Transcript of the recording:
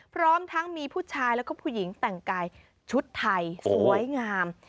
พร้อมทั้งมีผู้ชายแล้วก็ผู้หญิงแต่งกายชุดไทยสวยงาม